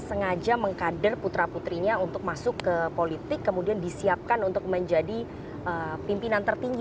sengaja mengkader putra putrinya untuk masuk ke politik kemudian disiapkan untuk menjadi pimpinan tertinggi